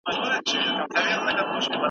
هغه په خپل ذهن کې د وطن د دسترخوان کیسې لټوي.